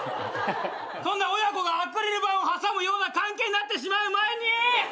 親子がアクリル板を挟むような関係になってしまう前に！